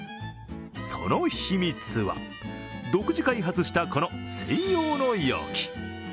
その秘密は、独自開発したこの専用の容器。